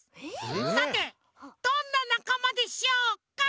さてどんななかまでしょうか？